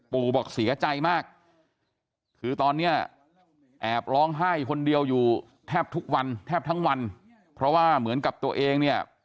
บอกเสียใจมากคือตอนนี้แอบร้องไห้คนเดียวอยู่แทบทุกวันแทบทั้งวันเพราะว่าเหมือนกับตัวเองเนี่ย